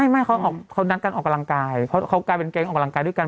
ไม่เขานัดการออกกำลังกายเพราะเขากลายเป็นแก๊งออกกำลังกายด้วยกัน